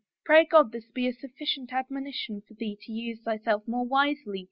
Pray God this be a sufficient admonition for thee to use thyself more wisely